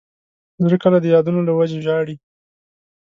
زړه کله د یادونو له وجې ژاړي.